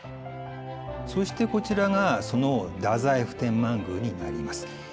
そしてこちらがその太宰府天満宮になります。